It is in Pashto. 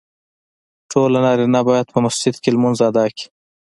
ټولو نارینه باید په مسجد کې لمونځ ادا کړي .